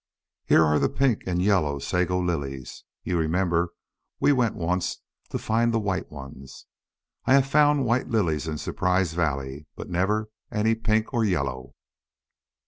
"Here are the pink and yellow sago lilies. You remember we went once to find the white ones? I have found white lilies in Surprise Valley, but never any pink or yellow."